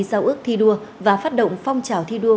giao ước thi đua và phát động phong trào thi đua